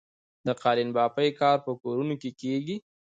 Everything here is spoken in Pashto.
د قالینبافۍ کار په کورونو کې کیږي؟